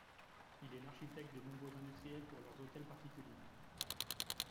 Il est l’architecte de nombreux industriels pour leurs hôtels particuliers.